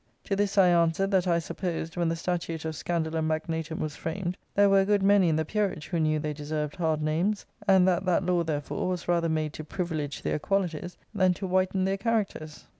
To this I answered, that I supposed, when the statute of Scandalum Magnatum was framed, there were a good many in the peerage who knew they deserved hard names; and that that law therefore was rather made to privilege their qualities, than to whiten their characters.